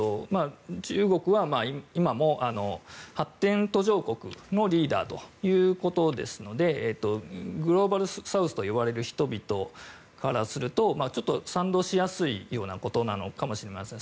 中国は今も発展途上国のリーダーということですのでグローバルサウスと呼ばれる人からすると賛同しやすいようなことなのかもしれません。